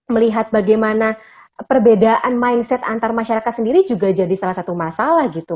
melihat bagaimana perbedaan mindset antar masyarakat sendiri juga jadi salah satu masalah gitu